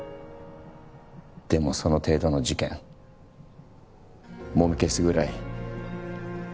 でもその程度の事件もみ消すぐらい。